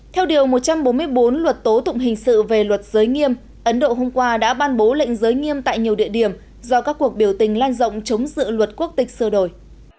theo điều một trăm bốn mươi bốn luật tố tụng hình sự về luật giới nghiêm ấn độ hôm qua đã ban bố lệnh giới nghiêm tại nhiều địa điểm do các cuộc biểu tình lan rộng chống dự luật quốc tịch sơ đổi